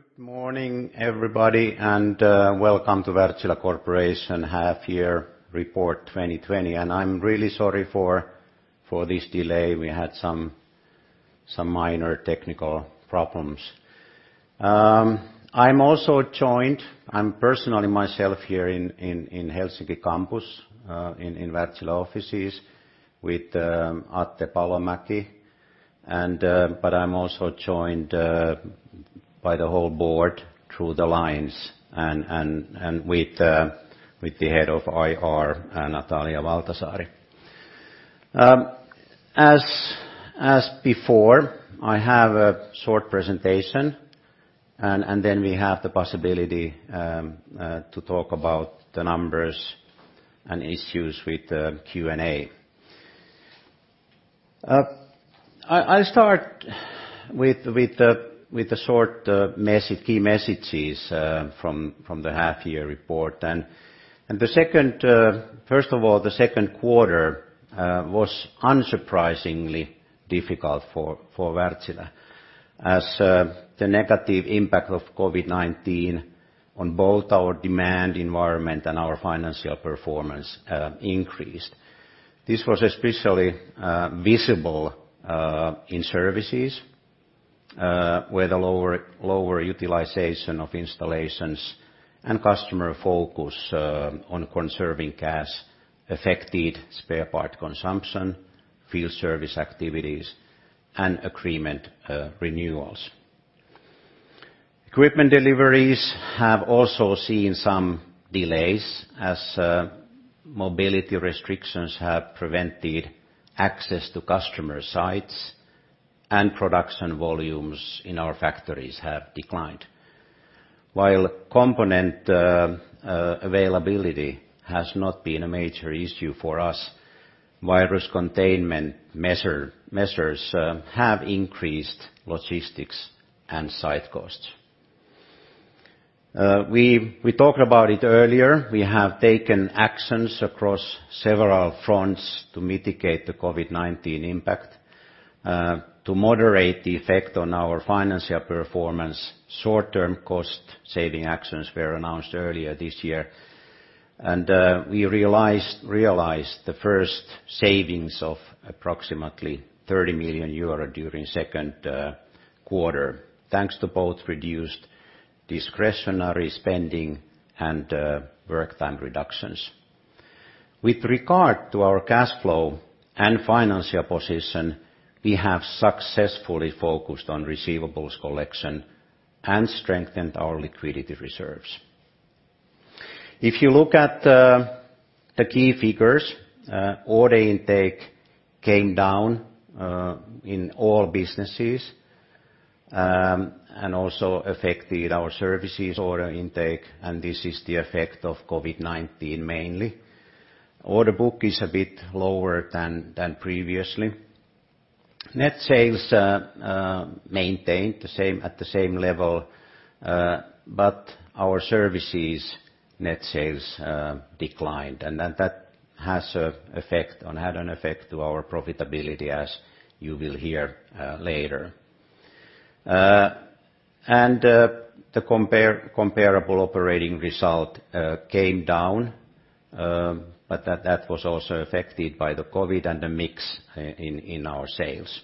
Good morning, everybody, welcome to Wärtsilä Corporation Half-Year Report 2020. I'm really sorry for this delay. We had some minor technical problems. I'm personally myself here in Helsinki campus in Wärtsilä offices with Atte Palomäki. I'm also joined by the whole board through the lines and with the head of IR, Natalia Valtasaari. As before, I have a short presentation and then we have the possibility to talk about the numbers and issues with the Q&A. I'll start with the short key messages from the half-year report. First of all, the second quarter was unsurprisingly difficult for Wärtsilä, as the negative impact of COVID-19 on both our demand environment and our financial performance increased. This was especially visible in services, where the lower utilization of installations and customer focus on conserving cash affected spare part consumption, field service activities, and agreement renewals. Equipment deliveries have also seen some delays as mobility restrictions have prevented access to customer sites, and production volumes in our factories have declined. While component availability has not been a major issue for us, virus containment measures have increased logistics and site costs. We talked about it earlier. We have taken actions across several fronts to mitigate the COVID-19 impact. To moderate the effect on our financial performance, short-term cost-saving actions were announced earlier this year, and we realized the first savings of approximately 30 million euro during the second quarter, thanks to both reduced discretionary spending and work time reductions. With regard to our cash flow and financial position, we have successfully focused on receivables collection and strengthened our liquidity reserves. If you look at the key figures, order intake came down in all businesses. Also affected our services order intake. This is the effect of COVID-19 mainly. Order book is a bit lower than previously. Net sales maintained at the same level. Our services net sales declined. That had an effect to our profitability, as you will hear later. The comparable operating result came down. That was also affected by the COVID-19 and the mix in our sales.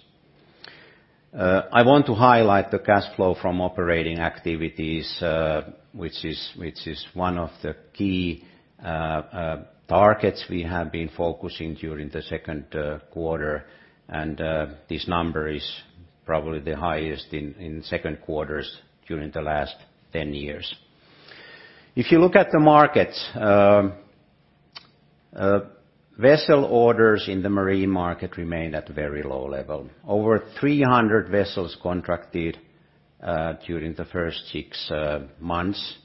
I want to highlight the cash flow from operating activities, which is one of the key targets we have been focusing during the second quarter. This number is probably the highest in second quarters during the last 10 years. If you look at the markets, vessel orders in the marine market remained at a very low level. Over 300 vessels contracted during the first six months.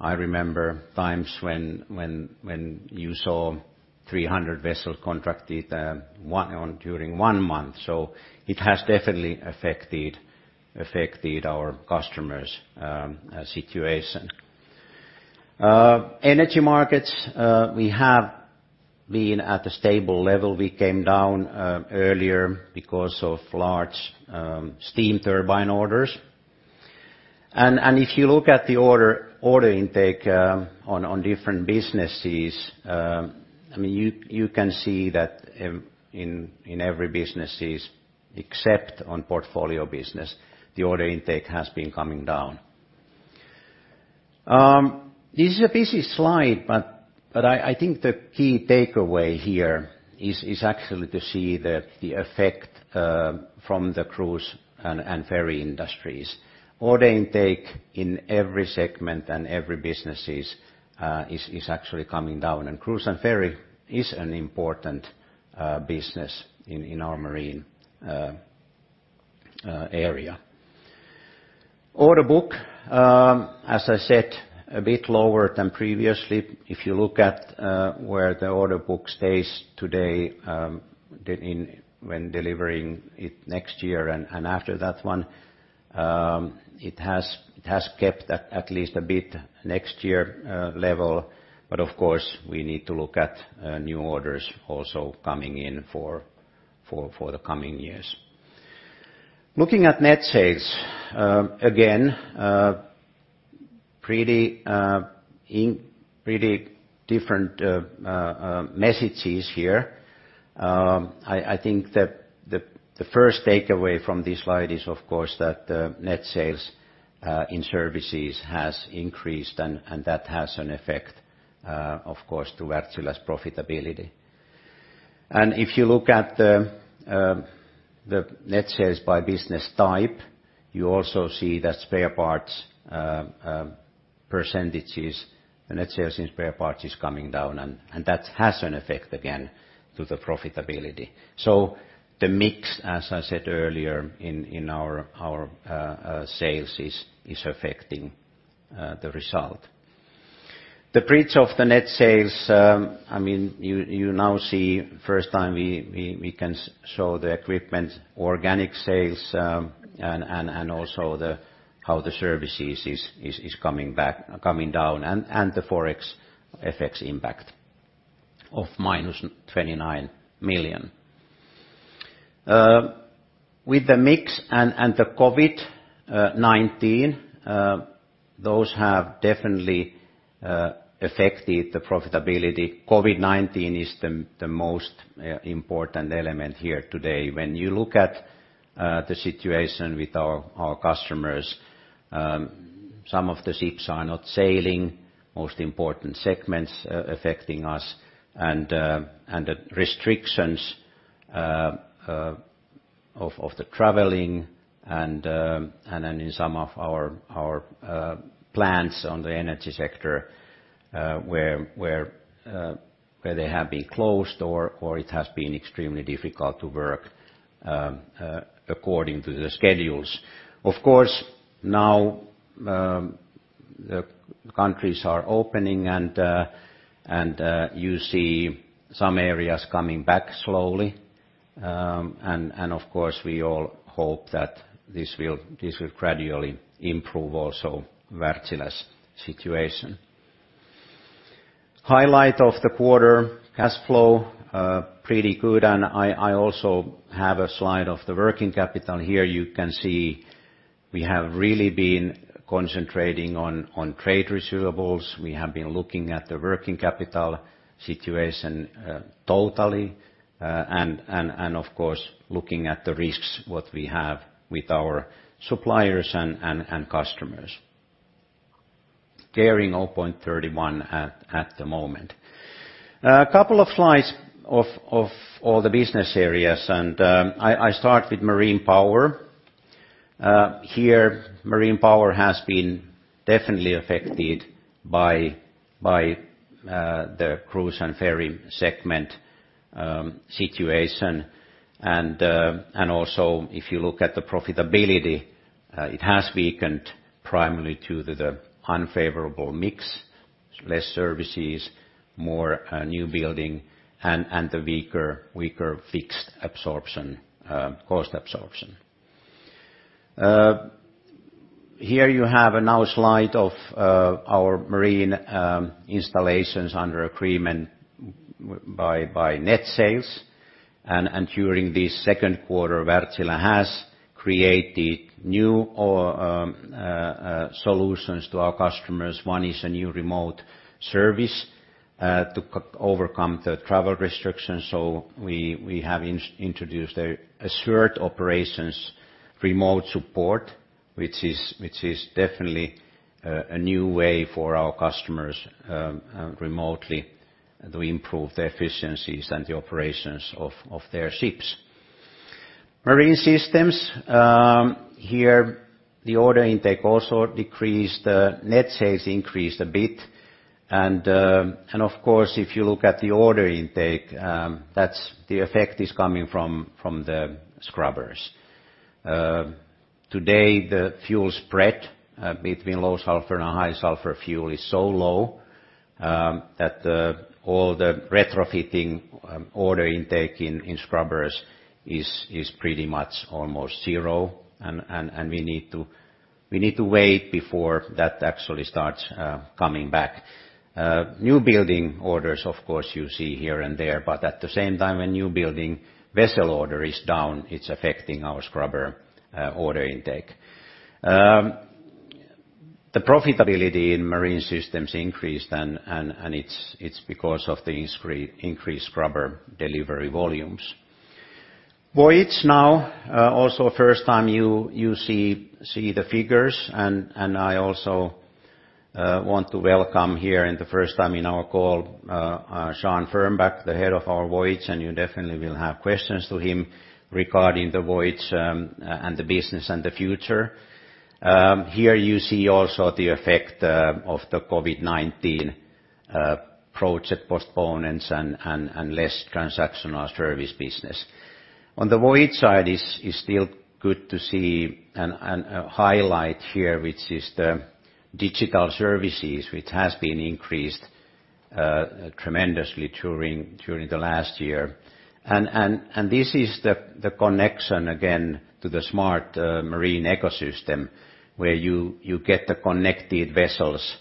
I remember times when you saw 300 vessels contracted during one month. It has definitely affected our customers' situation. Energy markets, we have been at a stable level. We came down earlier because of large steam turbine orders. If you look at the order intake on different businesses, you can see that in every businesses, except on Portfolio Business, the order intake has been coming down. This is a busy slide, but I think the key takeaway here is actually to see the effect from the cruise and ferry industries. Order intake in every segment and every businesses is actually coming down, and cruise and ferry is an important business in our marine area. Order book, as I said, a bit lower than previously. If you look at where the order book stays today when delivering it next year and after that one, it has kept at least a bit next year level. Of course, we need to look at new orders also coming in for the coming years. Looking at net sales, again, pretty different messages here. I think that the first takeaway from this slide is, of course, that net sales in services has increased, and that has an effect, of course, to Wärtsilä's profitability. If you look at the net sales by business type, you also see that spare parts percentages, the net sales in spare parts is coming down, and that has an effect again to the profitability. The mix, as I said earlier, in our sales is affecting the result. The bridge of the net sales, you now see first time we can show the equipment organic sales, and also how the services is coming down and the Forex FX impact of minus EUR 29 million. With the mix and the COVID-19, those have definitely affected the profitability. COVID-19 is the most important element here today. When you look at the situation with our customers, some of the ships are not sailing, most important segments affecting us, and the restrictions of the traveling, and then in some of our plants on the energy sector, where they have been closed or it has been extremely difficult to work according to the schedules. Of course, now the countries are opening, and you see some areas coming back slowly. Of course, we all hope that this will gradually improve also Wärtsilä's situation. Highlight of the quarter, cash flow, pretty good. I also have a slide of the working capital. Here you can see we have really been concentrating on trade receivables. We have been looking at the working capital situation totally, and of course, looking at the risks, what we have with our suppliers and customers. Carrying 0.31 at the moment. A couple of slides of all the business areas, and I start with Marine Power. Here, Marine Power has been definitely affected by the cruise and ferry segment situation. Also, if you look at the profitability, it has weakened primarily to the unfavorable mix, less services, more new building, and the weaker fixed absorption, cost absorption. Here you have now a slide of our marine installations under agreement by net sales. During this second quarter, Wärtsilä has created new solutions to our customers. One is a new remote service to overcome the travel restrictions. We have introduced the Assured Operations remote support, which is definitely a new way for our customers remotely to improve the efficiencies and the operations of their ships. Marine Systems, here the order intake also decreased. The net sales increased a bit. Of course, if you look at the order intake, the effect is coming from the scrubbers. Today, the fuel spread between low sulfur and high sulfur fuel is so low that all the retrofitting order intake in scrubbers is pretty much almost 0, and we need to wait before that actually starts coming back. New building orders, of course, you see here and there, but at the same time, a new building vessel order is down. It's affecting our scrubber order intake. The profitability in Marine Systems increased. It's because of the increased scrubber delivery volumes. Voyage now, also first time you see the figures. I also want to welcome here in the first time in our call, Sean Fernback, the head of our Voyage. You definitely will have questions to him regarding the Voyage and the business and the future. Here you see also the effect of the COVID-19 project postponements and less transactional service business. On the Voyage side, it's still good to see and highlight here, which is the digital services, which has been increased tremendously during the last year. This is the connection again to the Smart Marine Ecosystem, where you get the connected vessels,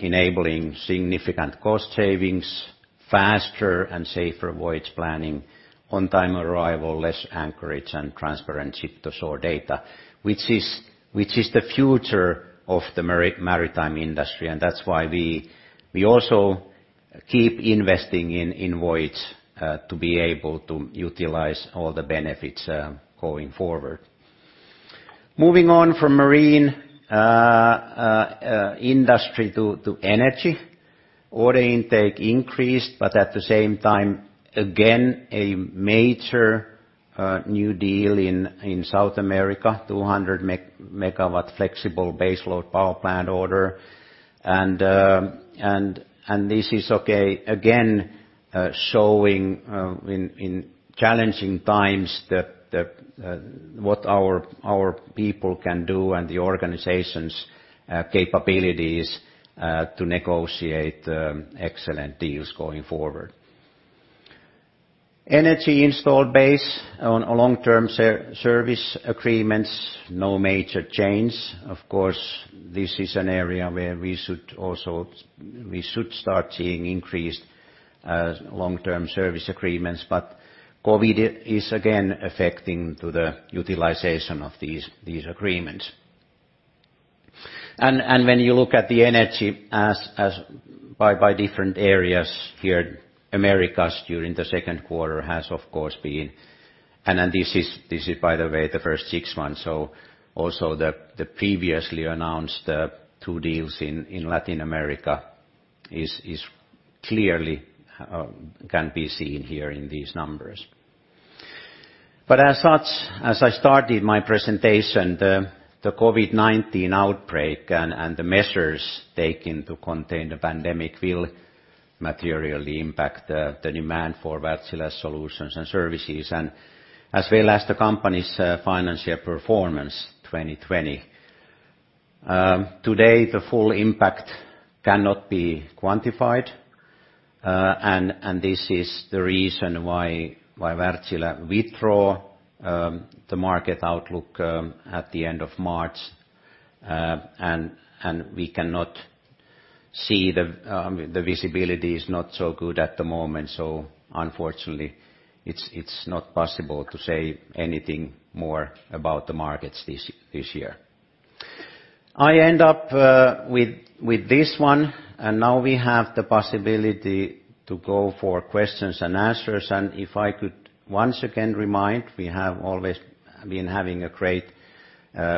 enabling significant cost savings, faster and safer voyage planning, on-time arrival, less anchorage, and transparent ship-to-shore data, which is the future of the maritime industry. That's why we also keep investing in Voyage to be able to utilize all the benefits going forward. Moving on from marine industry to energy. Order intake increased, but at the same time, again, a major new deal in South America, 200-megawatt flexible base load power plant order. This is, again, showing in challenging times what our people can do and the organization's capabilities to negotiate excellent deals going forward. Energy installed base on long-term service agreements, no major change. Of course, this is an area where we should start seeing increased long-term service agreements, but COVID-19 is again affecting to the utilization of these agreements. When you look at the energy by different areas here, Americas during the second quarter has, of course, been. This is, by the way, the first six months, so also the previously announced two deals in Latin America clearly can be seen here in these numbers. As such, as I started my presentation, the COVID-19 outbreak and the measures taken to contain the pandemic will materially impact the demand for Wärtsilä solutions and services, as well as the company's financial performance 2020. Today, the full impact cannot be quantified, and this is the reason why Wärtsilä withdrew the market outlook at the end of March. We cannot see, the visibility is not so good at the moment, so unfortunately, it's not possible to say anything more about the markets this year. I end up with this one. Now we have the possibility to go for questions and answers. If I could once again remind, we have always been having a great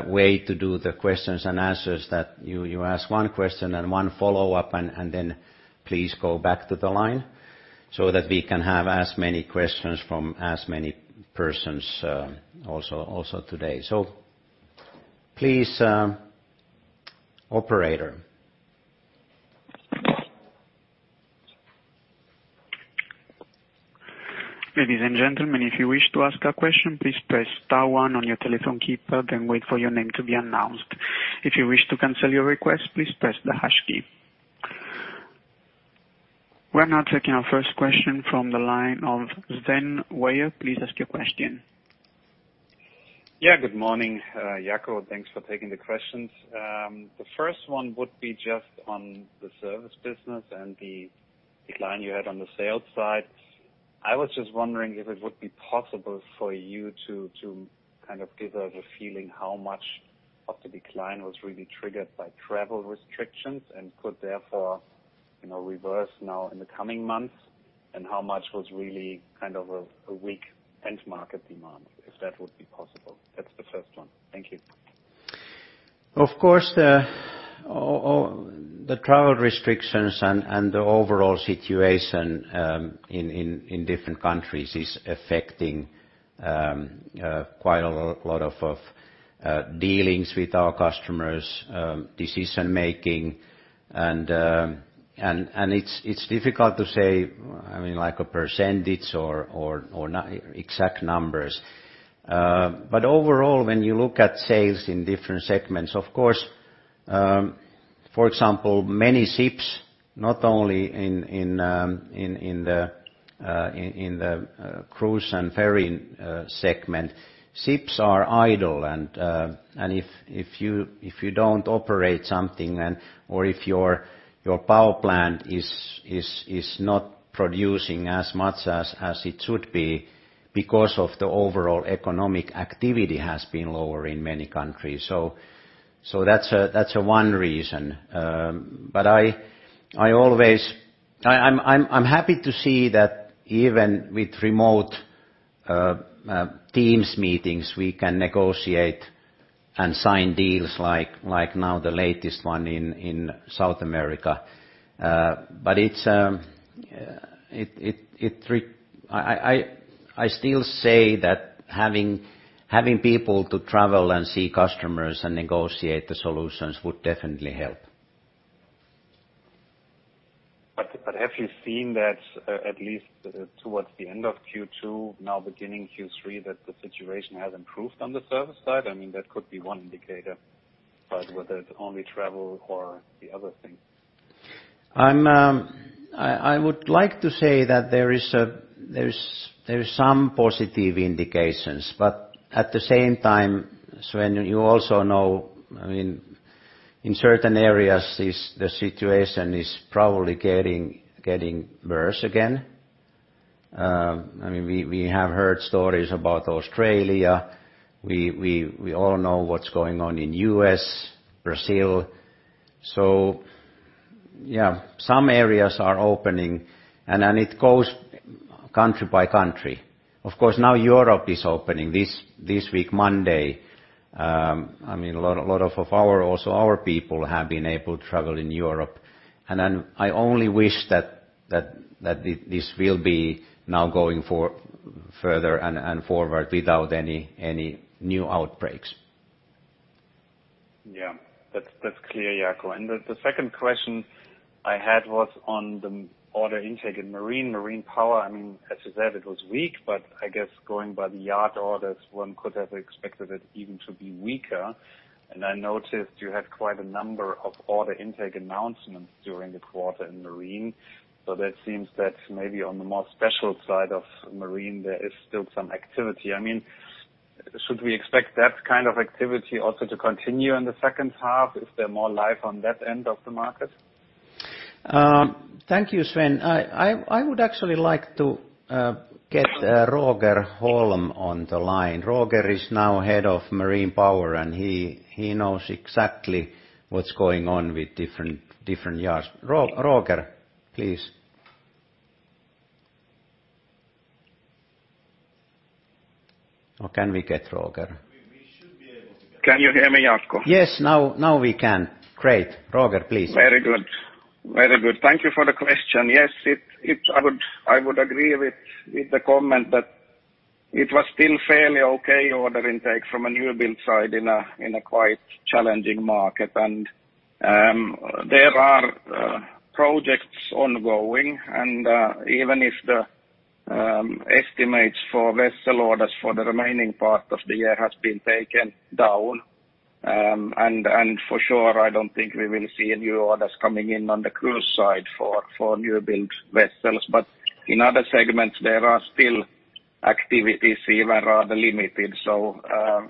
way to do the questions and answers, that you ask one question and one follow-up, then please go back to the line, so that we can have as many questions from as many persons also today. Please, operator. Ladies and gentlemen, if you wish to ask a question, please press star one on your telephone keypad, then wait for your name to be announced. If you wish to cancel your request, please press the hash key. We're now taking our first question from the line of Sven Weier. Please ask your question. Yeah. Good morning, Jaakko. Thanks for taking the questions. The first one would be just on the service business and the decline you had on the sales side. I was just wondering if it would be possible for you to kind of give us a feeling how much of the decline was really triggered by travel restrictions, and could therefore reverse now in the coming months, and how much was really kind of a weak end market demand, if that would be possible. That's the first one. Thank you. Of course, the travel restrictions and the overall situation in different countries is affecting quite a lot of dealings with our customers, decision making, and it's difficult to say a percentage or exact numbers. Overall, when you look at sales in different segments, of course for example, many ships, not only in the cruise and ferry segment, ships are idle, and if you don't operate something or if your power plant is not producing as much as it should be because of the overall economic activity has been lower in many countries. That's one reason. I'm happy to see that even with remote Teams meetings, we can negotiate and sign deals like now the latest one in South America. I still say that having people to travel and see customers and negotiate the solutions would definitely help. Have you seen that at least towards the end of Q2, now beginning Q3, that the situation has improved on the service side? That could be one indicator, but whether it's only travel or the other thing. I would like to say that there is some positive indications. At the same time, Sven, you also know, in certain areas, the situation is probably getting worse again. We have heard stories about Australia. We all know what's going on in U.S., Brazil. Yeah, some areas are opening. Then it goes country by country. Of course, now Europe is opening this week, Monday. A lot of our people have been able to travel in Europe. Then I only wish that this will be now going further and forward without any new outbreaks. Yeah. That's clear, Jaakko. The second question I had was on the order intake in marine power. As you said, it was weak, I guess going by the yard orders, one could have expected it even to be weaker. I noticed you had quite a number of order intake announcements during the quarter in marine. That seems that maybe on the more special side of marine, there is still some activity. Should we expect that kind of activity also to continue in the second half? Is there more life on that end of the market? Thank you, Sven. I would actually like to get Roger Holm on the line. Roger is now head of Marine Power, and he knows exactly what's going on with different yards. Roger, please. Can we get Roger? We should be able to get Roger. Can you hear me, Jaakko? Yes, now we can. Great. Roger, please. Very good. Thank you for the question. Yes, I would agree with the comment that it was still fairly okay order intake from a new build side in a quite challenging market. There are projects ongoing, and even if the estimates for vessel orders for the remaining part of the year has been taken down, and for sure, I don't think we will see new orders coming in on the cruise side for new build vessels. In other segments, there are still activities, even rather limited.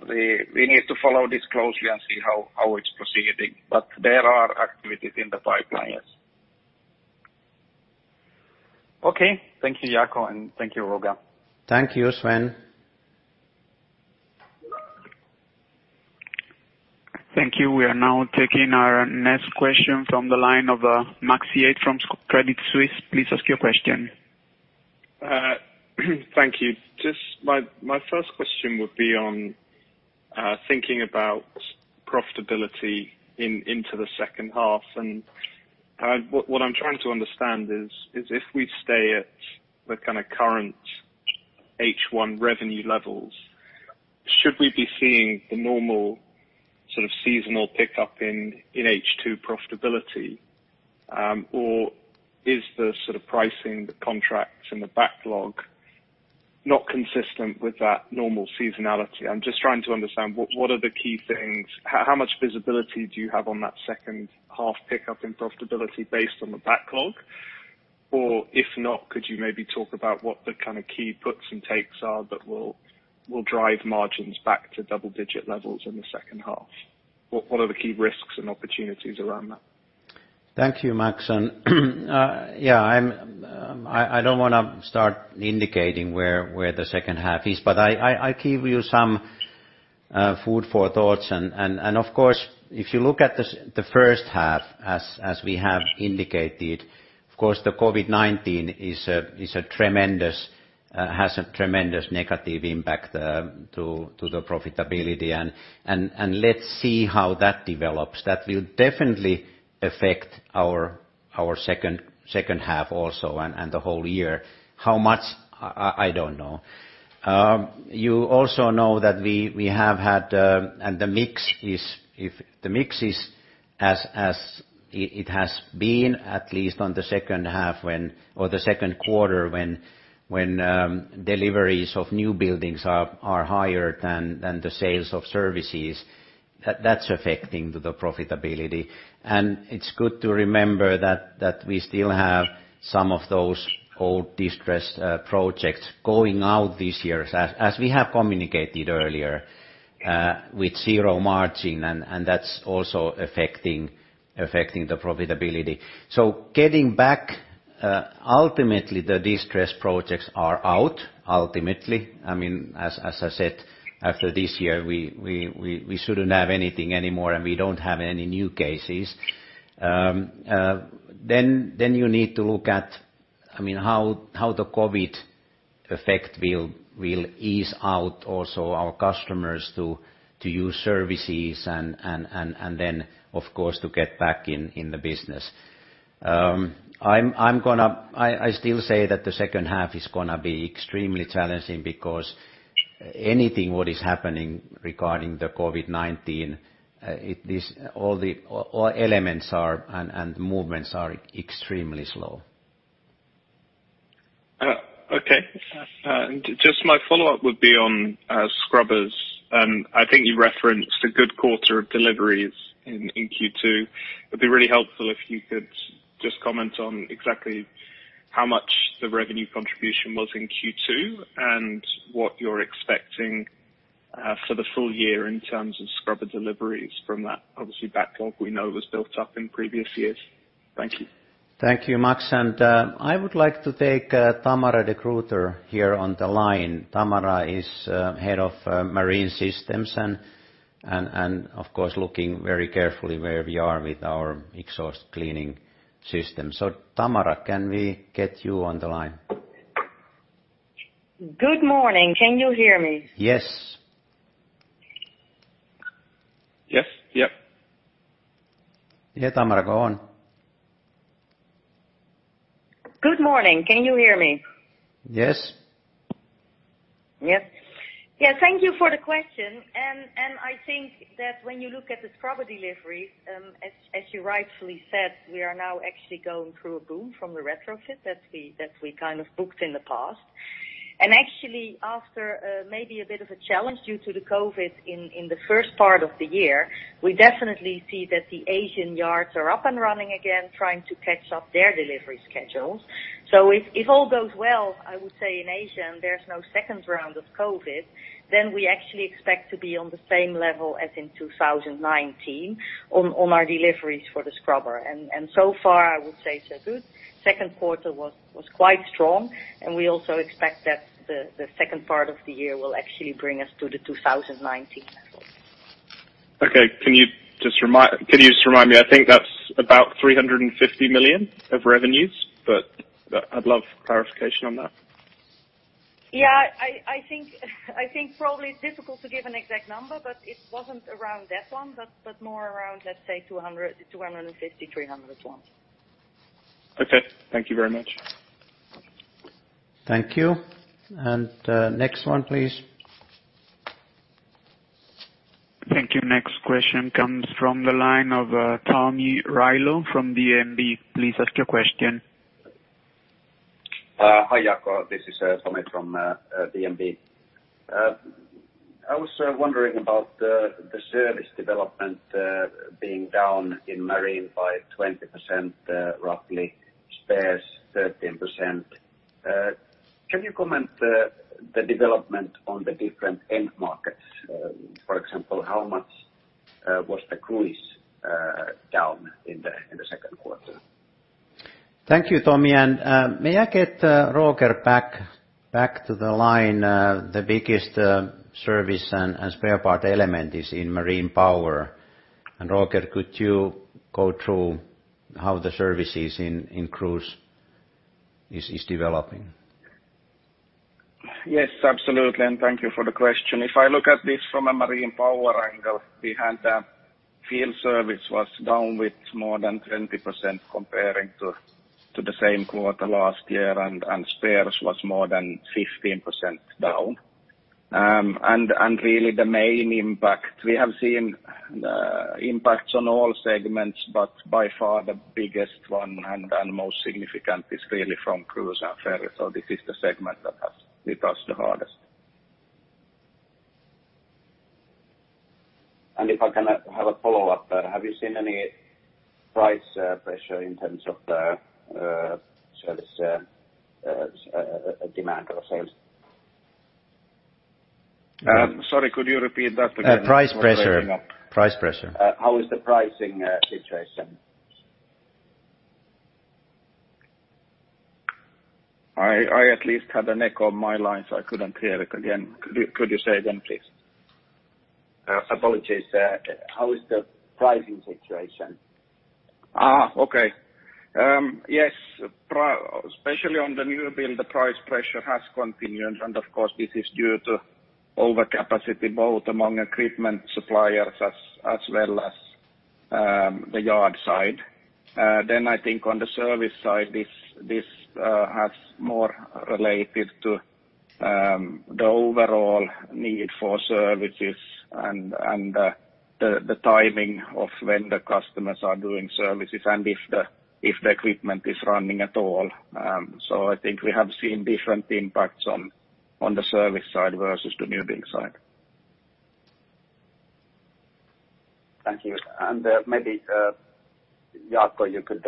We need to follow this closely and see how it's proceeding. There are activities in the pipeline, yes. Okay. Thank you, Jaakko, and thank you, Roger. Thank you, Sven. Thank you. We are now taking our next question from the line of Max Yates from Credit Suisse. Please ask your question. Thank you. Just my first question would be on thinking about profitability into the second half. What I'm trying to understand is if we stay at the kind of current H1 revenue levels, should we be seeing the normal sort of seasonal pickup in H2 profitability? Is the sort of pricing, the contracts, and the backlog not consistent with that normal seasonality? I'm just trying to understand what are the key things. How much visibility do you have on that second half pickup in profitability based on the backlog? If not, could you maybe talk about what the kind of key puts and takes are that will drive margins back to double-digit levels in the second half? What are the key risks and opportunities around that? Thank you, Max. I don't want to start indicating where the second half is. I give you some food for thoughts. Of course, if you look at the first half as we have indicated, of course, the COVID-19 has a tremendous negative impact to the profitability. Let's see how that develops. That will definitely affect our second half also, and the whole year. How much? I don't know. You also know that if the mix is as it has been, at least on the second half or the second quarter when deliveries of new buildings are higher than the sales of services. That's affecting the profitability. It's good to remember that we still have some of those old distressed projects going out this year, as we have communicated earlier, with zero margin, and that's also affecting the profitability. Getting back, ultimately, the distressed projects are out. Ultimately, as I said, after this year, we shouldn't have anything anymore, and we don't have any new cases. You need to look at how the COVID effect will ease out also our customers to use services and then, of course, to get back in the business. I still say that the second half is going to be extremely challenging because anything what is happening regarding the COVID-19, all elements are, and movements are extremely slow. Just my follow-up would be on scrubbers. I think you referenced a good quarter of deliveries in Q2. It'd be really helpful if you could just comment on exactly how much the revenue contribution was in Q2 and what you're expecting for the full year in terms of scrubber deliveries from that. Obviously, backlog, we know, was built up in previous years. Thank you. Thank you, Max. I would like to take Tamara de Gruyter here on the line. Tamara is head of Marine Systems and of course, looking very carefully where we are with our exhaust cleaning system. Tamara, can we get you on the line? Good morning. Can you hear me? Yes. Yes. Yeah, Tamara, go on. Good morning. Can you hear me? Yes. Yes. Thank you for the question. I think that when you look at the scrubber deliveries, as you rightfully said, we are now actually going through a boom from the retrofit that we kind of booked in the past. Actually, after maybe a bit of a challenge due to the COVID in the first part of the year, we definitely see that the Asian yards are up and running again, trying to catch up their delivery schedules. If all goes well, I would say in Asia, there's no second round of COVID, then we actually expect to be on the same level as in 2019 on our deliveries for the scrubber. So far, I would say so good. Second quarter was quite strong, and we also expect that the second part of the year will actually bring us to the 2019 level. Okay. Can you just remind me? I think that's about 350 million of revenues. I'd love clarification on that. Yeah, I think probably it's difficult to give an exact number, but it wasn't around that one, but more around, let's say 200, 250, 300 ones. Okay. Thank you very much. Thank you. Next one, please. Thank you. Next question comes from the line of Tomi Railo from DNB. Please ask your question. Hi, Jaakko. This is Tomi from DNB. I was wondering about the service development, being down in marine by 20%, roughly spares 13%. Can you comment the development on the different end markets? For example, how much was the cruise down in the second quarter? Thank you, Tomi. May I get Roger back to the line? The biggest service and spare part element is in Marine Power. Roger, could you go through how the services in cruise is developing? Yes, absolutely. Thank you for the question. If I look at this from a Marine Power angle, we had field service was down with more than 20% comparing to the same quarter last year, and spares was more than 15% down. Really the main impact, we have seen impacts on all segments, by far the biggest one and most significant is really from cruise and ferry. This is the segment that hit us the hardest. If I can have a follow-up. Have you seen any price pressure in terms of the service demand or sales? Sorry, could you repeat that again? Price pressure. How is the pricing situation? I at least had an echo on my line, so I couldn't hear it again. Could you say again, please? Apologies. How is the pricing situation? Okay. Yes, especially on the new build, the price pressure has continued, and of course, this is due to overcapacity, both among equipment suppliers as well as the yard side. I think on the service side, this has more related to the overall need for services and the timing of when the customers are doing services and if the equipment is running at all. I think we have seen different impacts on the service side versus the new build side. Thank you. Maybe, Jaakko, you could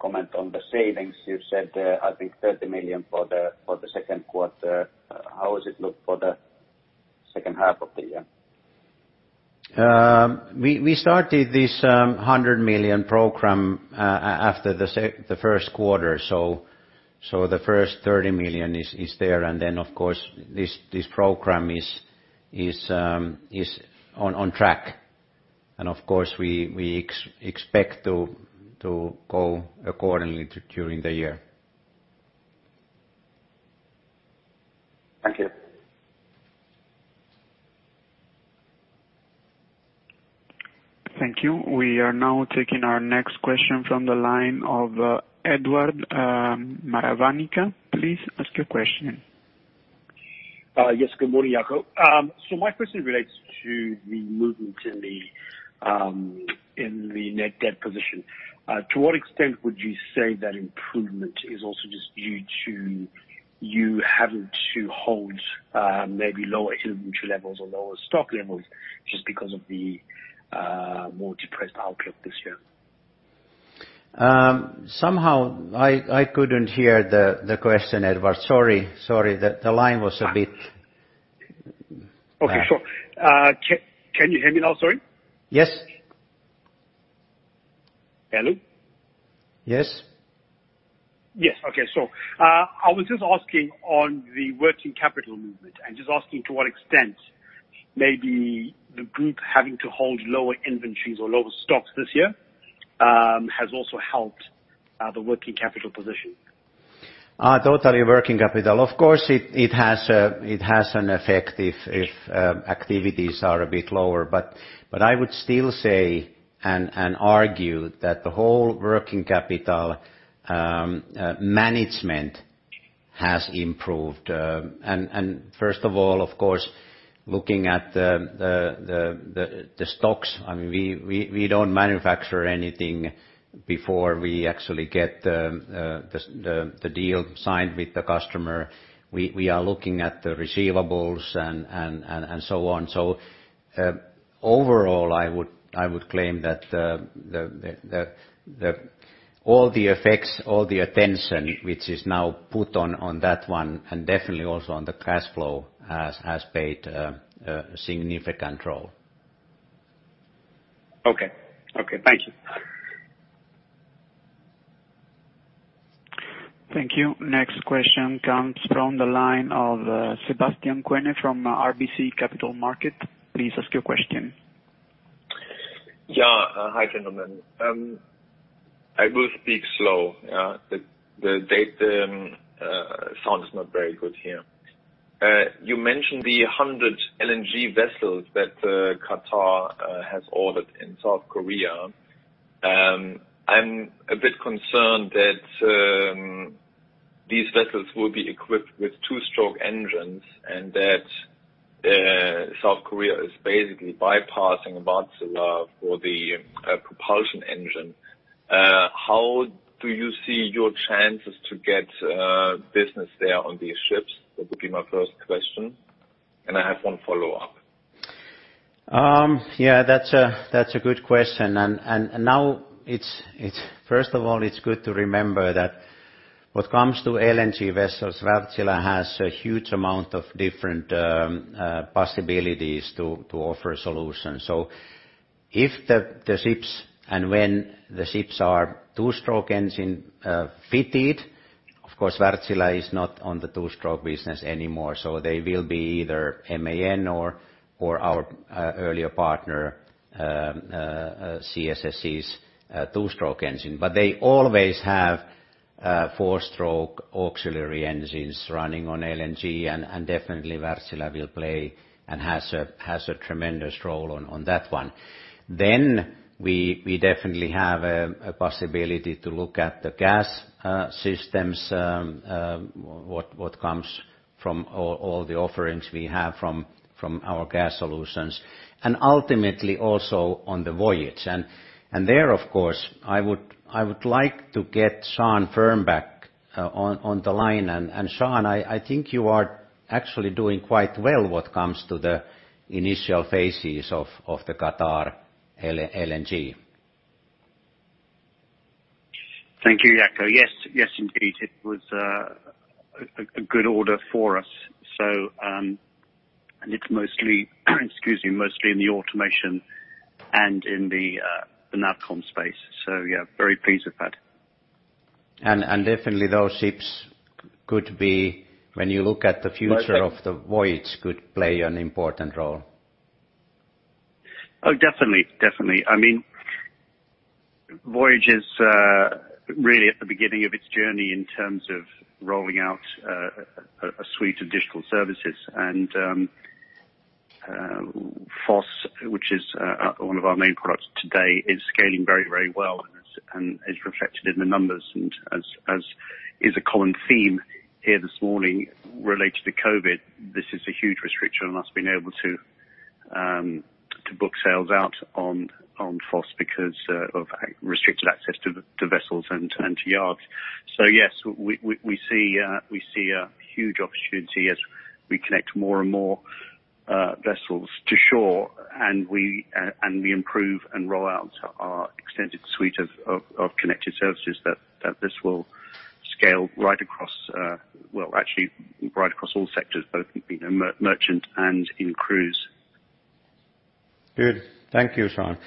comment on the savings. You said, I think 30 million for the second quarter. How does it look for the second half of the year? We started this 100 million program after the first quarter. The first 30 million is there, and then of course, this program is on track. Of course, we expect to go accordingly during the year. Thank you. Thank you. We are now taking our next question from the line of Edward Maravanich. Please ask your question. Yes. Good morning, Jaakko. My question relates to the movement in the net debt position. To what extent would you say that improvement is also just due to you having to hold maybe lower inventory levels or lower stock levels just because of the more depressed outlook this year? Somehow I couldn't hear the question, Edward. Sorry, the line was a bit bad. Okay, sure. Can you hear me now, sorry? Yes. Hello? Yes. Yes. Okay. I was just asking on the working capital movement and just asking to what extent maybe the group having to hold lower inventories or lower stocks this year, has also helped the working capital position. Totally working capital. Of course, it has an effect if activities are a bit lower, but I would still say and argue that the whole working capital management has improved. First of all, of course, looking at the stocks, we don't manufacture anything before we actually get the deal signed with the customer. We are looking at the receivables and so on. Overall I would claim that all the effects, all the attention which is now put on that one, and definitely also on the cash flow, has paid a significant role. Okay. Thank you. Thank you. Next question comes from the line of Sebastian Kuenne from RBC Capital Markets. Please ask your question. Hi, gentlemen. I will speak slow. The sound is not very good here. You mentioned the 100 LNG vessels that Qatar has ordered in South Korea. I'm a bit concerned that these vessels will be equipped with two-stroke engines and that South Korea is basically bypassing Wärtsilä for the propulsion engine. How do you see your chances to get business there on these ships? That would be my first question, and I have one follow up. Yeah, that's a good question. First of all, it's good to remember that what comes to LNG vessels, Wärtsilä has a huge amount of different possibilities to offer solutions. If the ships and when the ships are two-stroke engine fitted, of course Wärtsilä is not on the two-stroke business anymore, they will be either MAN or our earlier partner CSSC's two-stroke engine. They always have four-stroke auxiliary engines running on LNG and definitely Wärtsilä will play and has a tremendous role on that one. We definitely have a possibility to look at the gas systems, what comes from all the offerings we have from our gas solutions and ultimately also on the Voyage. There of course I would like to get Sean Fernback on the line. Sean, I think you are actually doing quite well what comes to the initial phases of the Qatar LNG. Thank you, Jaakko. Yes, indeed it was a good order for us. It's mostly excuse me, mostly in the automation and in the NavCom space. Yeah, very pleased with that. Definitely those ships could be, when you look at the future of the Voyage, could play an important role. Oh, definitely. Voyage is really at the beginning of its journey in terms of rolling out a suite of digital services. FOS, which is one of our main products today, is scaling very well and is reflected in the numbers. As is a common theme here this morning related to COVID, this is a huge restriction and us being able to book sales out on FOS because of restricted access to vessels and to yards. Yes, we see a huge opportunity as we connect more and more vessels to shore and we improve and roll out our extended suite of connected services that this will scale right across, well, actually right across all sectors, both in merchant and in cruise. Good. Thank you, Sean.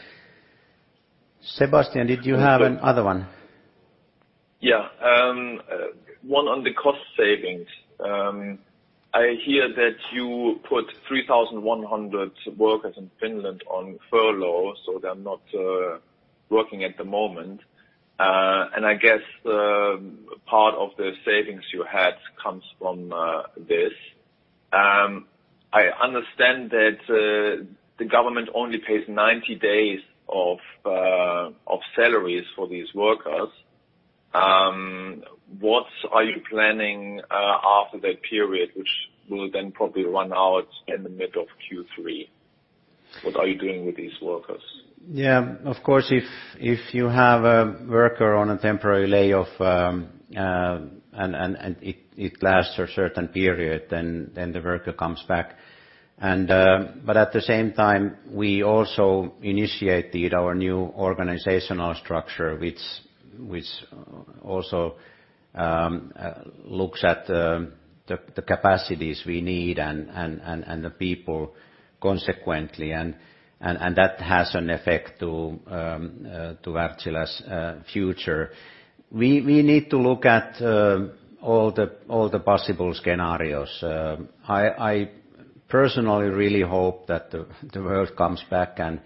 Sebastian, did you have another one? One on the cost savings. I hear that you put 3,100 workers in Finland on furlough, so they're not working at the moment. I guess part of the savings you had comes from this. I understand that the government only pays 90 days of salaries for these workers. What are you planning after that period, which will then probably run out in the middle of Q3? What are you doing with these workers? Yeah. Of course, if you have a worker on a temporary layoff, and it lasts a certain period, then the worker comes back. At the same time, we also initiated our new organizational structure, which also looks at the capacities we need and the people consequently. That has an effect to Wärtsilä's future. We need to look at all the possible scenarios. I personally really hope that the world comes back and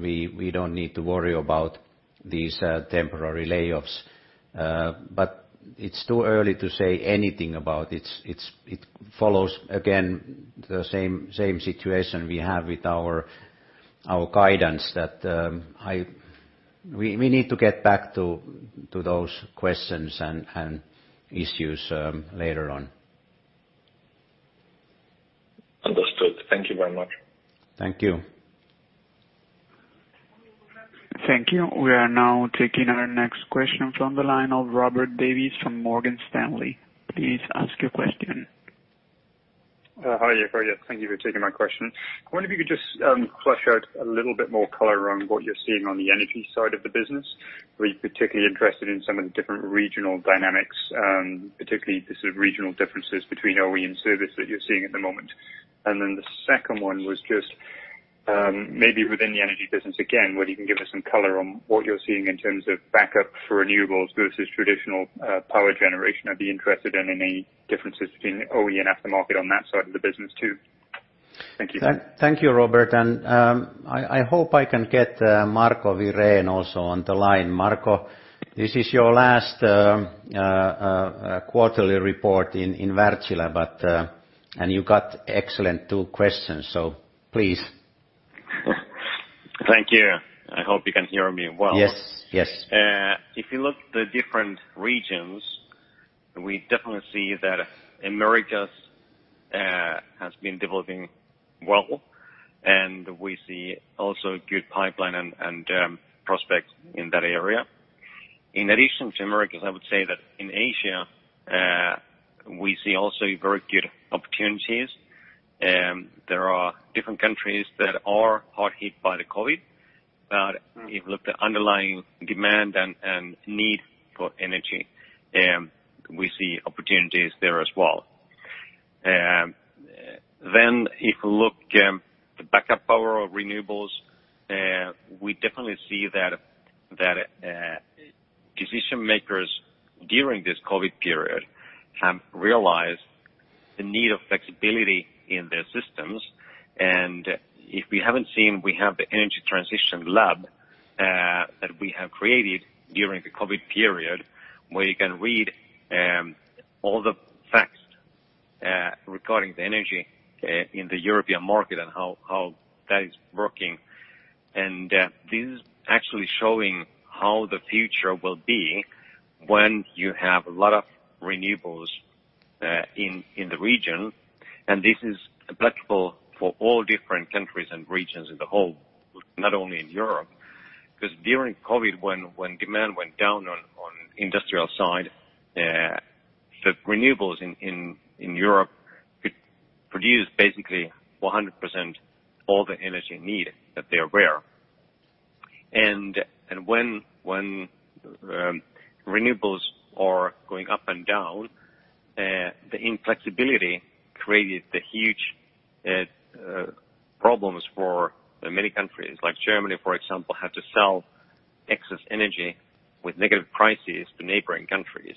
we don't need to worry about these temporary layoffs. It's too early to say anything about it. It follows, again, the same situation we have with our guidance that we need to get back to those questions and issues later on. Understood. Thank you very much. Thank you. Thank you. We are now taking our next question from the line of Robert Davies from Morgan Stanley. Please ask your question. Hi, Jaakko. Thank you for taking my question. I wonder if you could just flesh out a little bit more color around what you're seeing on the energy side of the business. Really particularly interested in some of the different regional dynamics, particularly the sort of regional differences between OE and service that you're seeing at the moment. The second one was just maybe within the energy business again, whether you can give us some color on what you're seeing in terms of backup for renewables versus traditional power generation. I'd be interested in any differences between OE and aftermarket on that side of the business, too. Thank you. Thank you, Robert, I hope I can get Marco Wirén also on the line. Marco, this is your last quarterly report in Wärtsilä, and you got excellent two questions, so please. Thank you. I hope you can hear me well. Yes. You look at the different regions, we definitely see that Americas has been developing well, and we see also a good pipeline and prospects in that area. In addition to Americas, I would say that in Asia, we see also very good opportunities. There are different countries that are hard hit by the COVID, you look at the underlying demand and need for energy, we see opportunities there as well. You look at the backup power of renewables, we definitely see that decision-makers during this COVID period have realized the need of flexibility in their systems, and if we haven't seen, we have the Energy Transition Lab that we have created during the COVID period, where you can read all the facts regarding the energy in the European market and how that is working. This is actually showing how the future will be when you have a lot of renewables in the region, and this is applicable for all different countries and regions in the whole, not only in Europe. During COVID, when demand went down on industrial side, the renewables in Europe could produce basically 100% all the energy need [that they aware]. When renewables are going up and down, the inflexibility created the huge problems for many countries. Like Germany, for example, had to sell excess energy with negative prices to neighboring countries.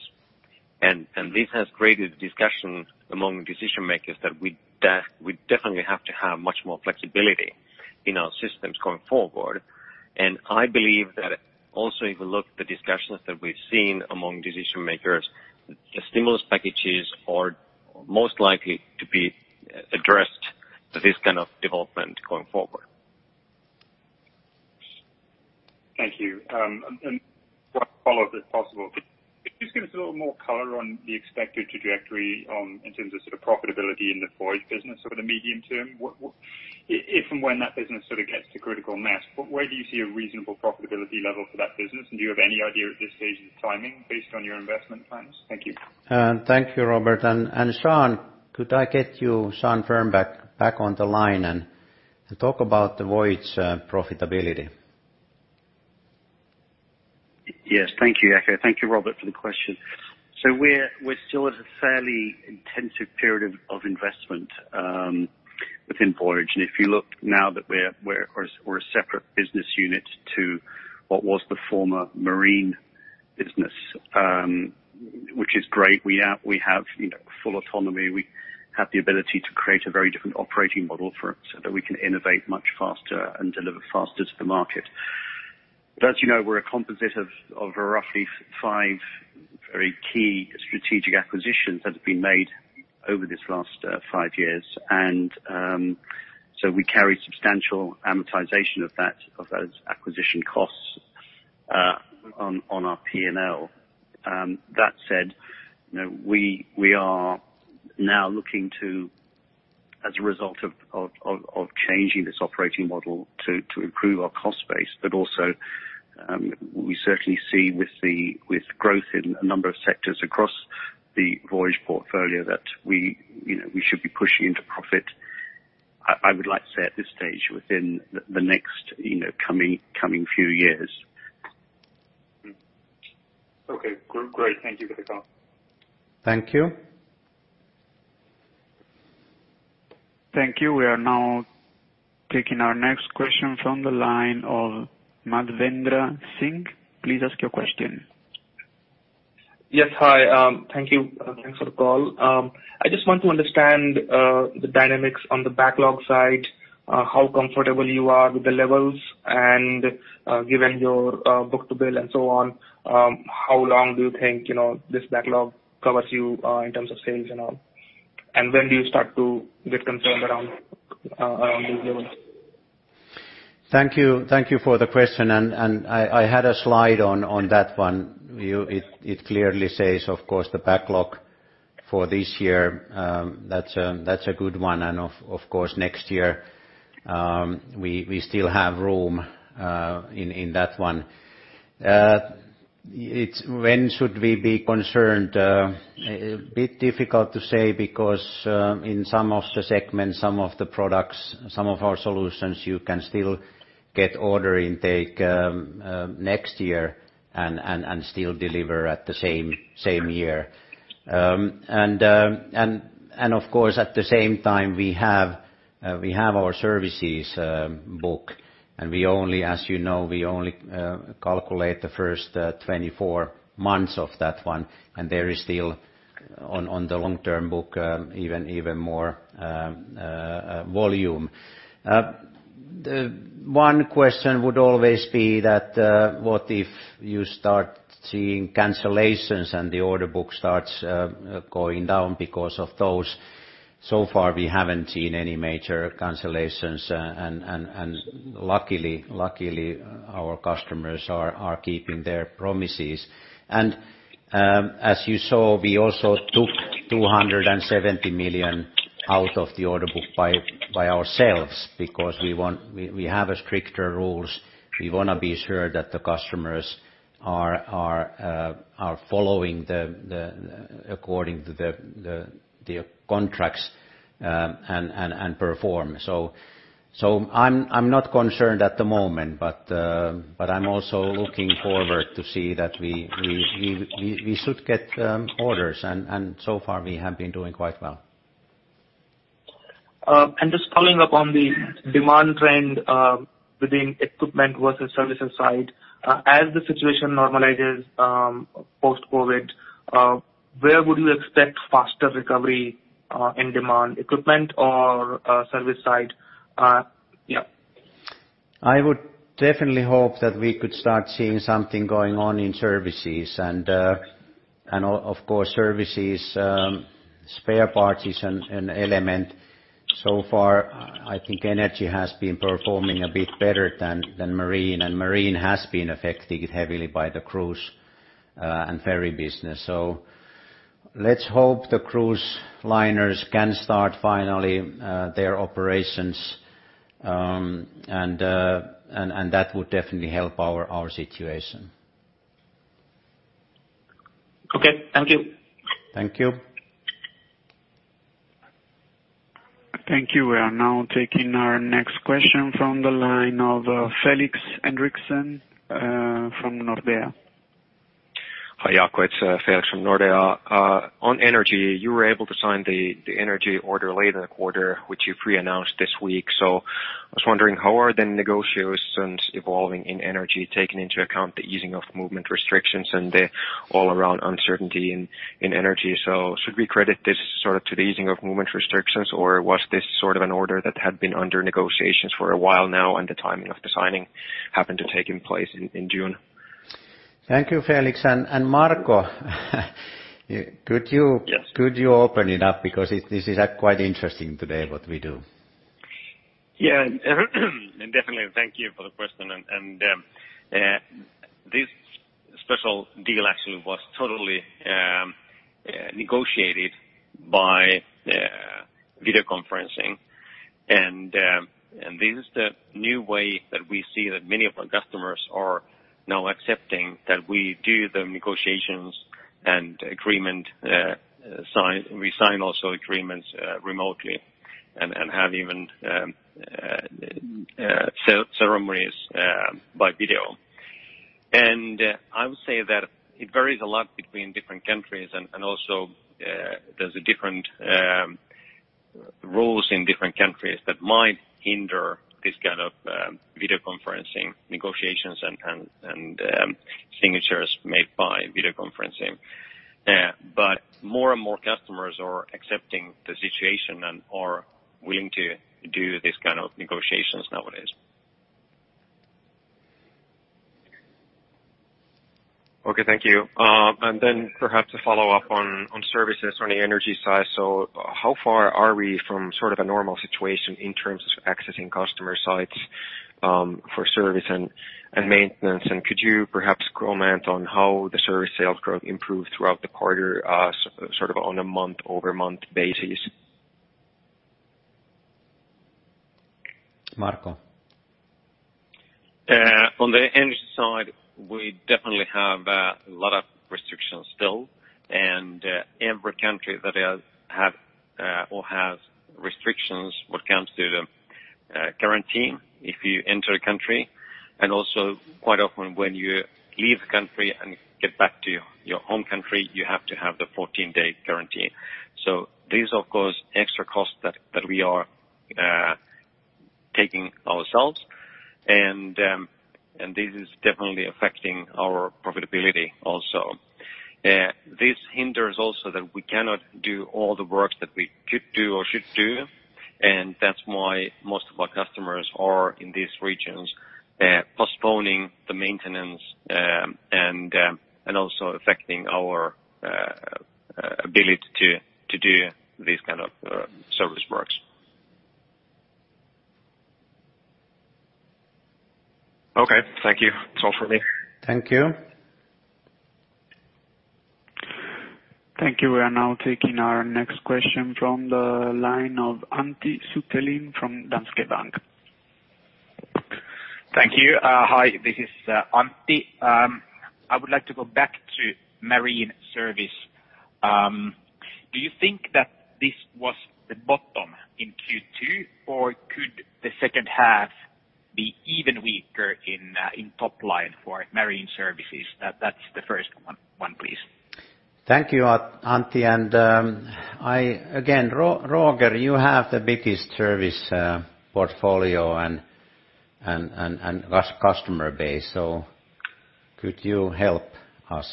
This has created discussion among decision-makers that we definitely have to have much more flexibility in our systems going forward, and I believe that also if you look at the discussions that we've seen among decision-makers, the stimulus packages are most likely to be addressed to this kind of development going forward. Thank you. One follow-up, if possible. Could you just give us a little more color on the expected trajectory in terms of sort of profitability in the Voyage business over the medium term? If and when that business sort of gets to critical mass, where do you see a reasonable profitability level for that business, and do you have any idea at this stage of the timing based on your investment plans? Thank you. Thank you, Robert. Sean, could I get you, Sean Fernback, back on the line and talk about the Voyage profitability? Yes. Thank you, Jaakko. Thank you, Robert, for the question. We're still at a fairly intensive period of investment within Voyage. If you look now that we're a separate business unit to what was the former marine business, which is great. We have full autonomy. We have the ability to create a very different operating model so that we can innovate much faster and deliver faster to the market. As you know, we're a composite of roughly five key strategic acquisitions that have been made over this last five years. We carry substantial amortization of those acquisition costs on our P&L. That said, we are now looking to, as a result of changing this operating model to improve our cost base, but also we certainly see with growth in a number of sectors across the Voyage portfolio that we should be pushing into profit, I would like to say at this stage, within the next coming few years. Okay. Great. Thank you for the call. Thank you. Thank you. We are now taking our next question from the line of Mahendra Singh. Please ask your question. Yes. Hi. Thank you. Thanks for the call. I just want to understand the dynamics on the backlog side, how comfortable you are with the levels, and given your book to bill and so on, how long do you think this backlog covers you in terms of sales and all? When do you start to get concerned around these levels? Thank you for the question. I had a slide on that one. It clearly says, of course, the backlog for this year, that's a good one. Of course, next year, we still have room in that one. When should we be concerned? A bit difficult to say because in some of the segments, some of the products, some of our solutions, you can still get order intake next year and still deliver at the same year. Of course, at the same time, we have our services book, and as you know, we only calculate the first 24 months of that one, and there is still on the long-term book even more volume. One question would always be that what if you start seeing cancellations and the order book starts going down because of those? So far, we haven't seen any major cancellations and luckily, our customers are keeping their promises. As you saw, we also took 270 million out of the order book by ourselves because we have stricter rules. We want to be sure that the customers are following according to their contracts, and perform. I'm not concerned at the moment, but I'm also looking forward to see that we should get orders, and so far, we have been doing quite well. Just following up on the demand trend within equipment versus services side, as the situation normalizes post-COVID-19, where would you expect faster recovery in demand, equipment or service side? I would definitely hope that we could start seeing something going on in services. Of course, services spare parts is an element. So far, I think energy has been performing a bit better than marine, and marine has been affected heavily by the cruise and ferry business. Let's hope the cruise liners can start finally their operations, and that would definitely help our situation. Okay. Thank you. Thank you. Thank you. We are now taking our next question from the line of Felix Henriksson from Nordea. Hi, Jaakko. It's Felix from Nordea. On Energy, you were able to sign the Energy order late in the quarter, which you pre-announced this week. I was wondering, how are the negotiations evolving in Energy, taking into account the easing of movement restrictions and the all-around uncertainty in Energy? Should we credit this sort of to the easing of movement restrictions, or was this sort of an order that had been under negotiations for a while now, and the timing of the signing happened to take place in June? Thank you, Felix. Marco. Yes could you open it up because this is quite interesting today what we do. Yeah. Definitely. Thank you for the question. This special deal actually was totally negotiated by video conferencing. This is the new way that we see that many of our customers are now accepting that we do the negotiations and agreement, we sign also agreements remotely, and have even ceremonies by video. I would say that it varies a lot between different countries, and also there's different rules in different countries that might hinder this kind of video conferencing negotiations and signatures made by video conferencing. More and more customers are accepting the situation and are willing to do this kind of negotiations nowadays. Okay, thank you. Perhaps a follow-up on services on the energy side. How far are we from sort of a normal situation in terms of accessing customer sites for service and maintenance? Could you perhaps comment on how the service sales growth improved throughout the quarter sort of on a month-over-month basis? Marco? On the energy side, we definitely have a lot of restrictions still, and every country that or have restrictions what comes to the quarantine if you enter a country. Also quite often when you leave the country and get back to your home country, you have to have the 14-day quarantine. These, of course, extra costs that we are taking ourselves, and this is definitely affecting our profitability also. This hinders also that we cannot do all the works that we could do or should do, and that's why most of our customers are in these regions, postponing the maintenance, and also affecting our ability to do these kind of service works. Okay, thank you. It's all for me. Thank you. Thank you. We are now taking our next question from the line of Antti Sutelin from Danske Bank. Thank you. Hi, this is Antti. I would like to go back to marine service. Do you think that this was the bottom in Q2, or could the second half be even weaker in top line for marine services? That's the first one, please. Thank you, Antti. Again, Roger, you have the biggest service portfolio and customer base. Could you help us?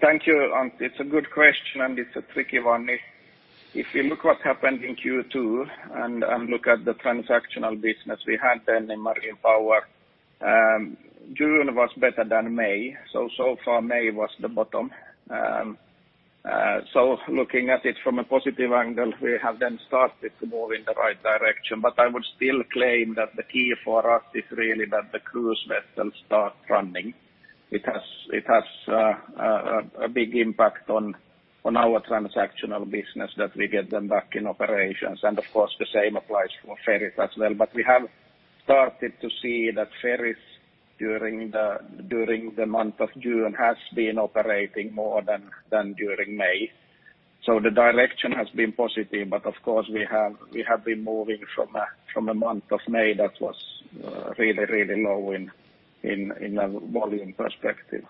Thank you, Antti. It's a good question, and it's a tricky one. If you look what happened in Q2 and look at the transactional business we had then in Marine Power, June was better than May. So far, May was the bottom. Looking at it from a positive angle, we have then started to move in the right direction. I would still claim that the key for us is really that the cruise vessels start running. It has a big impact on our transactional business that we get them back in operations. Of course, the same applies for ferries as well. We have started to see that ferries during the month of June has been operating more than during May. The direction has been positive, but of course, we have been moving from a month of May that was really low in a volume perspective.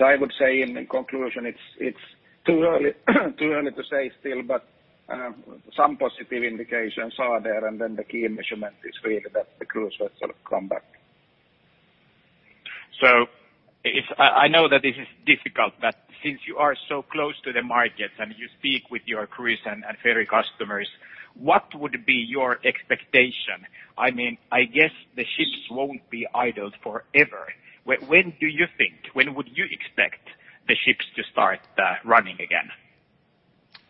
I would say, in conclusion, it's too early to say still, but some positive indications are there. The key measurement is really that the cruise vessels come back. I know that this is difficult, but since you are so close to the market and you speak with your cruise and ferry customers, what would be your expectation? I guess the ships won't be idled forever. When do you think? When would you expect the ships to start running again?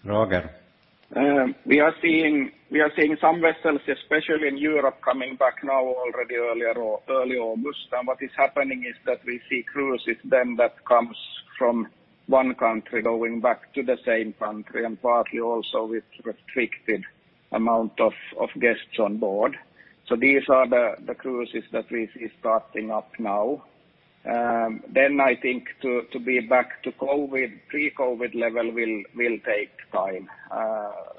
Roger. We are seeing some vessels, especially in Europe, coming back now already early August. What is happening is that we see cruises, them that comes from one country going back to the same country, and partly also with restricted amount of guests on board. These are the cruises that we see starting up now. I think to be back to pre-COVID level will take time.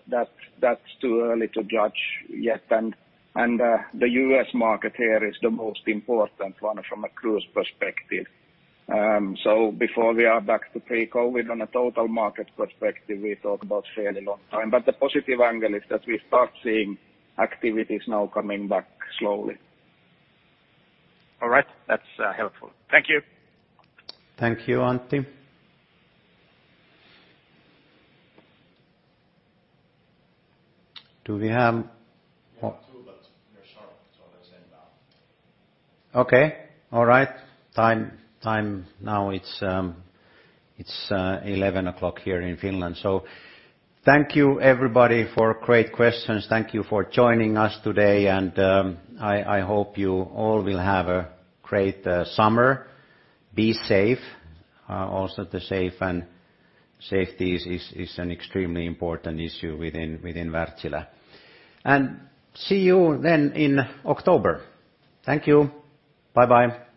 That's too early to judge yet. The U.S. market here is the most important one from a cruise perspective. Before we are back to pre-COVID on a total market perspective, we talk about fairly long time. The positive angle is that we start seeing activities now coming back slowly. All right. That's helpful. Thank you. Thank you, Antti. We have two, but they're short, so they send out. Okay. All right. Time now it's 11:00 here in Finland. Thank you everybody for great questions. Thank you for joining us today, and I hope you all will have a great summer. Be safe. Also the safe and safety is an extremely important issue within Wärtsilä. See you then in October. Thank you. Bye-bye.